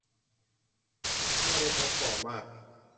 เหี้ยได้ท็อปฟอร์มมาก